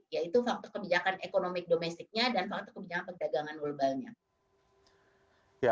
yaitu faktor kebijakan ekonomi domestiknya dan faktor kebijakan perdagangan globalnya